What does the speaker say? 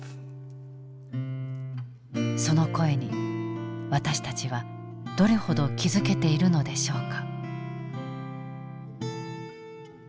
その声に私たちはどれほど気付けているのでしょうか。